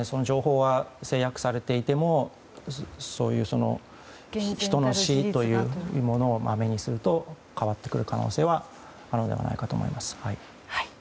情報が制約されていてもそういう人の死というものを目にすると変わってくる可能性はあるのではと思います。